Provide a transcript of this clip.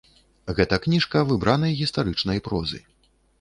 Гэта кніжка выбранай гістарычнай прозы.